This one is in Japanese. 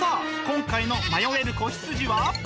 今回の迷える子羊は。